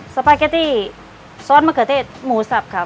สปาเกตตี้ซอสมะเขือเทศหมูสับครับ